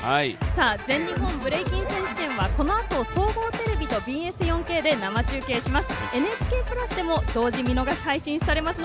全日本ブレイキン選手権はこのあと総合テレビとＢＳ４Ｋで生中継します。